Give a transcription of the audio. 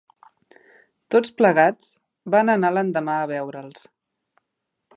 Tots plegats, van anar l'endemà a veure'ls